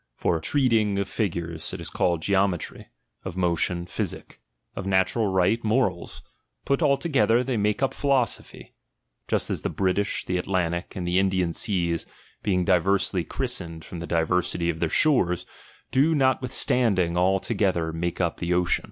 For IV THE EPISTLE DEDICATORY. H treatiujf of figTires, it is called geometry ; of motion, physic ; of natural right, 7noraIs ; put altogether, and they make up philosophy. Just as the British, the Atlantic, and the Indian seas, being diversely christened from the diversity of their shores, do notwithstanding all together make up the ocean.